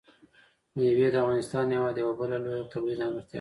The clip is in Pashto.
مېوې د افغانستان هېواد یوه بله لویه طبیعي ځانګړتیا ده.